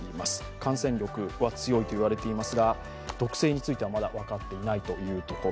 感染力は強いと言われていますが、毒性についてはまだ分かっていないというところ。